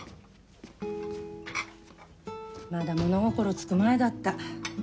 まだ物心つく前だった。